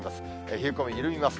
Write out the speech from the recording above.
冷え込み、緩みます。